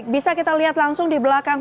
bisa kita lihat langsung di belakang